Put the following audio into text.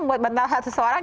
buat bantah seseorang